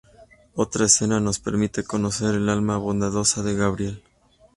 Otra escena nos permite conocer el alma bondadosa de Gabriel.